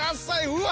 うわ。